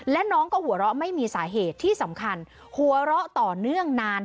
และน้องก็หัวเราะไม่มีสาเหตุที่สำคัญหัวเราะต่อเนื่องนาน